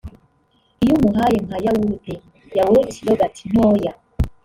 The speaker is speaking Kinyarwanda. Iyo umuhaye nka yawurute (Yaourt /Yogurt ) ntoya